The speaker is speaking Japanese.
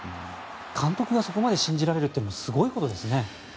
監督がそこまで信じられるのもすごいことですね。